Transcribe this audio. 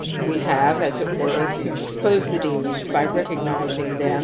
We have, as it were, ^exposed the demons by recognizing •1 Gt Chap. m.